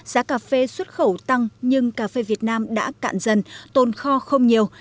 giá cà phê xuất khẩu tăng nhưng cà phê việt nam đã cạn dần tồn kho không nhiều